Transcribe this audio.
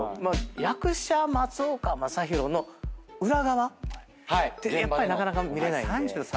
役者松岡昌宏の裏側ってやっぱりなかなか見れないんで。